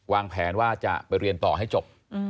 วางแผนว่าจะไปเรียนต่อให้จบ